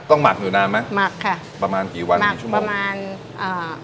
ต้องหมักอยู่นานไหมหมักค่ะประมาณกี่วันหมักประมาณอ่า